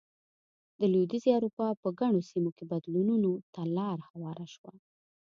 د لوېدیځې اروپا په ګڼو سیمو کې بدلونونو ته لار هواره شوه.